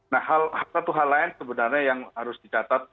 nah satu hal lain sebenarnya yang harus dicatat